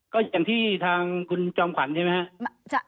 ก็อย่างที่ทางคุณจอมขวัญใช่ไหมครับ